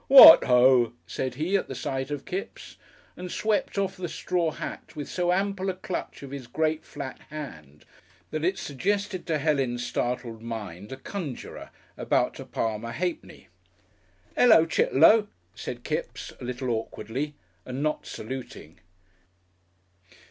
"What HO!" said he, at the sight of Kipps, and swept off the straw hat with so ample a clutch of his great, flat hand that it suggested to Helen's startled mind a conjurer about to palm a half penny. "'Ello, Chitt'low," said Kipps a little awkwardly and not saluting.